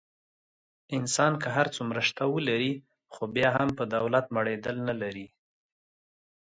انسان که هر څومره شته ولري. خو بیا هم په دولت مړېدل نه لري.